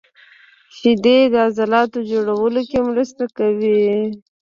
• شیدې د عضلاتو جوړولو کې هم مرسته کوي.